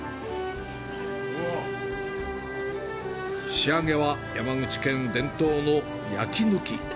仕上げは山口県伝統の焼き抜き。